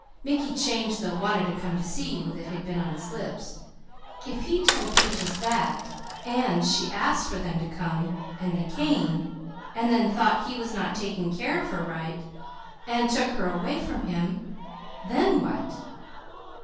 Mickey changed the "wanted to come to see you" that had been on his lips. If he told Peaches that, and she asked for them to come, and they came, and then thought he was not taking care of her right, and took her away from him then what?